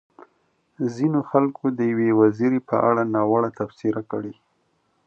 ځينو خلکو د يوې وزيرې په اړه ناوړه تبصرې کړې.